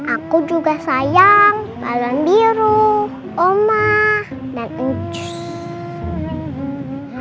aku juga sayang balon biru oma dan ucus